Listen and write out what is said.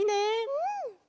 うん！